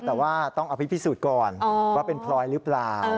แต่ว่าต้องเอาไปพิสูจน์ก่อนว่าเป็นพลอยหรือเปล่า